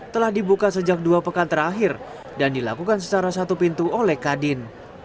telah dibuka sejak dua pekan terakhir dan dilakukan secara satu pintu oleh kadin